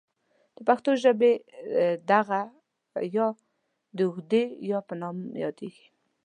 د پښتو ژبې دغه ې د اوږدې یا په نوم یادیږي.